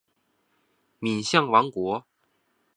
敏象王国。